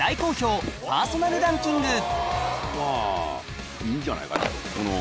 まぁいいんじゃないかなとその。